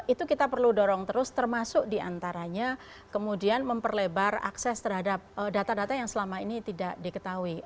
itu kita perlu dorong terus termasuk diantaranya kemudian memperlebar akses terhadap data data yang selama ini tidak diketahui